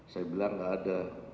saya bilang enggak ada